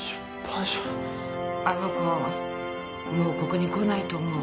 あの子もうここに来ないと思う。